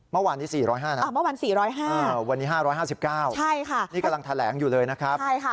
เมื่อวานนี้๔๐๕นะครับวันนี้๕๕๙นี่กำลังแถลงอยู่เลยนะครับใช่ค่ะ